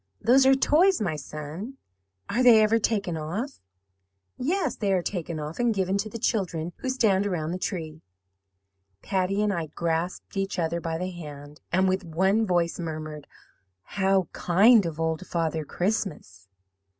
"'Those are toys, my son.' "'Are they ever taken off?' "'Yes, they are taken off, and given to the children who stand around the tree.' "Patty and I grasped each other by the hand, and with one voice murmured; 'How kind of Old Father Christmas!'